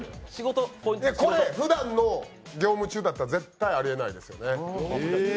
これ、ふだんの業務中だったら絶対にありえないですよね。